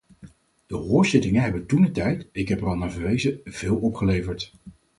De hoorzittingen hebben toentertijd - ik heb er al naar verwezen - veel opgeleverd.